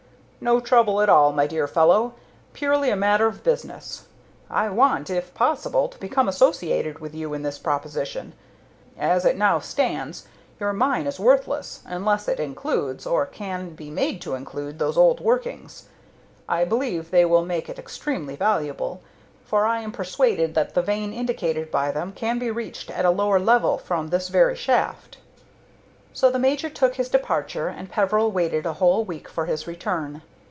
"No trouble at all, my dear fellow purely a matter of business. I want, if possible, to become associated with you in this proposition. As it now stands, your mine is worthless, unless it includes, or can be made to include, those old workings. I believe they will make it extremely valuable, for I am persuaded that the vein indicated by them can be reached at a lower level from this very shaft." So the major took his departure, and Peveril waited a whole week for his return.